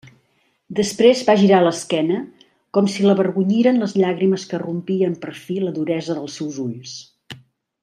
Després va girar l'esquena, com si l'avergonyiren les llàgrimes que rompien per fi la duresa dels seus ulls.